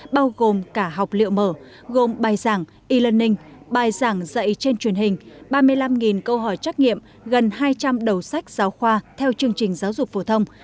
bao gồm cả học liệu mở gồm bài giảng e learning bài giảng dạy trên truyền hình ba mươi năm câu hỏi trắc nghiệm gần hai trăm linh đầu sách giáo khoa theo chương trình giáo dục phổ thông